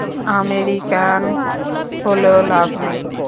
American হলেও লাভ নেই।